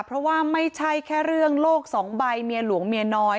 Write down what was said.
เพราะว่าไม่ใช่แค่เรื่องโลกสองใบเมียหลวงเมียน้อย